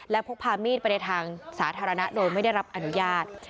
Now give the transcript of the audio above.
และพกพามีดไปในทางสาธารณะโดยไม่ได้รับอนุญาต